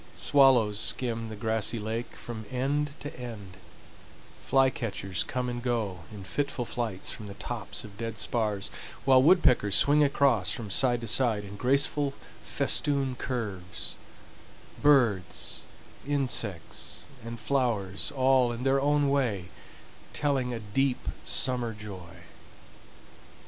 Swallows skim the grassy lake from end to end, fly catchers come and go in fitful flights from the tops of dead spars, while woodpeckers swing across from side to side in graceful festoon curves,—birds, insects, and flowers all in their own way telling a deep summer joy.